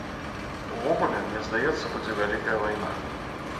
Увогуле, мне здаецца, будзе вялікая вайна.